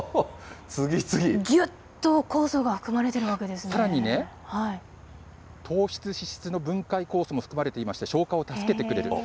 ぎゅっと酵素が含まれてるわさらにね、糖質、脂質の分解酵素も含まれていまして、消化を助けてくれると。